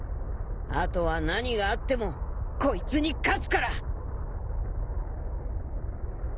あとは何があってもこいつに勝つから！